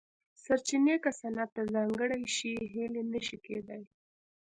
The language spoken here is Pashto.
سرچینې که صنعت ته ځانګړې شي هیلې نه شي کېدای.